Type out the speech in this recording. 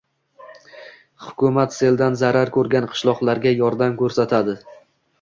Hukumat seldan zarar ko‘rgan qishloqlarga yordam ko‘rsatadi